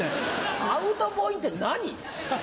アウトボインって何？